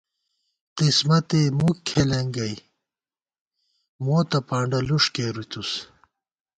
قِسمتے مُک کھېلېنگئ مو تہ پانڈہ لُݭ کېری تُس